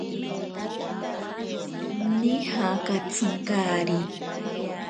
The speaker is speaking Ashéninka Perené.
Nija katsinkari.